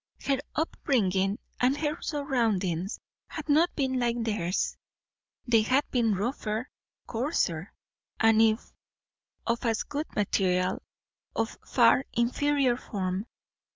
Her up bringing and her surroundings had not been like theirs; they had been rougher, coarser, and if of as good material, of far inferior form.